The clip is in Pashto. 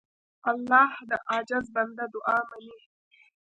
الله د عاجز بنده دعا منې.